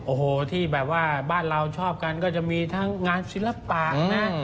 โอ้โหที่แบบว่าบ้านเราชอบกันก็จะมีทั้งงานศิลปะนะ